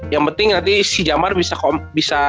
yang penting nanti si jamar bisa